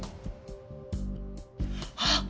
あっ！